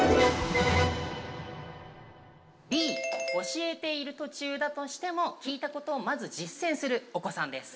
Ｂ教えている途中だとしても聞いたことをまず実践するお子さんです。